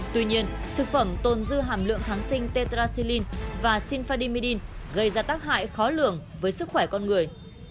tuy nhiên thực phẩm tồn dư hàm lượng kháng sinh tetraxilin và sinfadimidin gây ra tác hại khó lượng với sức khỏe con người